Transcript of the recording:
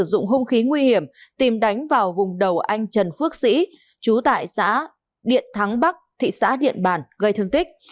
hành vi sử dụng hung khí nguy hiểm tìm đánh vào vùng đầu anh trần phước sĩ chú tại xã điện thắng bắc thị xã điện bản gây thương tích